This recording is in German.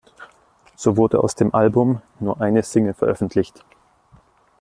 So wurde aus dem Album nur eine Single veröffentlicht.